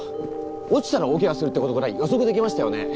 落ちたら大けがするってことぐらい予測できましたよね？